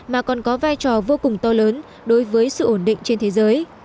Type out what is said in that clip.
mà còn có vai trò vô cùng to lớn đối với sự ổn định trên thế giới